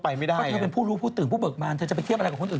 เพราะเธอเป็นผู้รู้ผู้ตื่นผู้เบิกบานเธอจะไปเทียบอะไรกับคนอื่น